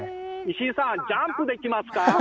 石井さん、ジャンプできますか？